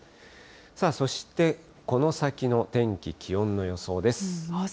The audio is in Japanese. そしてこの先の天気、気温の予想です。